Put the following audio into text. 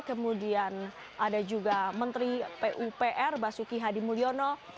kemudian ada juga menteri pupr basuki hadi mulyono